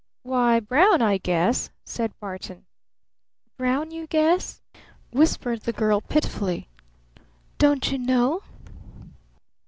"Why, brown, I guess," said Barton. "Brown, you 'guess'?" whispered the girl pitifully. "Don't you know?"